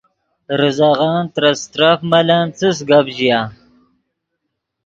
ریزغن ترے استرف ملن څس گپ ژیا